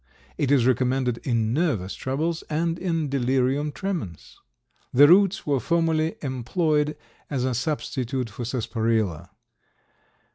It is recommended in nervous troubles and in delirium tremens. The roots were formerly employed as a substitute for sarsaparilla.